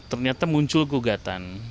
ternyata muncul gugatan